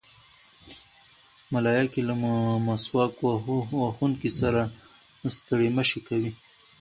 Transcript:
ملایکې له مسواک وهونکي سره ستړې مه شي کوي.